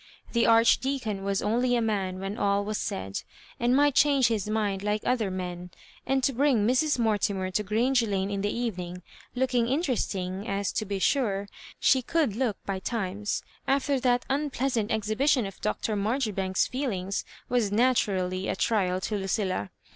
The Archdeacon was only a man when all was said, and might change his mind like other men ; and to bring Mrs. Mortimer to Grange Lane in the evening, looking interesting, as, to be sure, she could look by times, after that unpleasant exhibition of Dr. Marjoribanks's feelings, was naturally a trial to Lucilla.